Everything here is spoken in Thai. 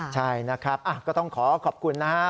ใช่นะครับก็ต้องขอขอบคุณนะฮะ